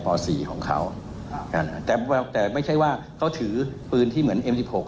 สี่ของเขาแต่ไม่ใช่ว่าเขาถือปืนที่เหมือนเอ็มสิบหก